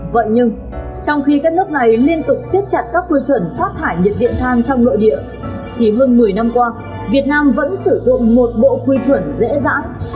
vậy nhưng trong khi các nước này liên tục xếp chặt các phương chuẩn phát thải nhiệt điện than trong nội địa thì hơn một mươi năm qua việt nam vẫn sử dụng một bộ phương chuẩn dễ dãn